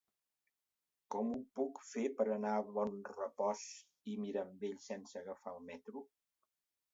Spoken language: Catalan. Com ho puc fer per anar a Bonrepòs i Mirambell sense agafar el metro?